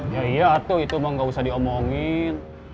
ya iya tuh itu mah nggak usah diomongin